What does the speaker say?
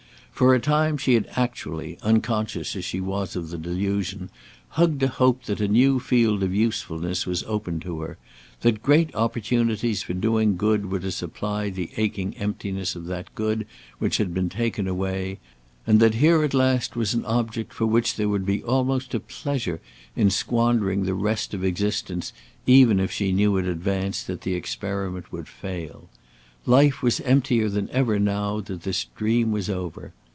For a time she had actually, unconscious as she was of the delusion, hugged a hope that a new field of usefulness was open to her; that great opportunities for doing good were to supply the aching emptiness of that good which had been taken away; and that here at last was an object for which there would be almost a pleasure in squandering the rest of existence even if she knew in advance that the experiment would fail. Life was emptier than ever now that this dream was over.